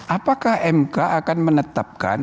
apakah mk akan menetapkan